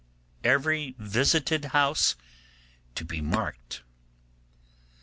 Every visited House to be marked.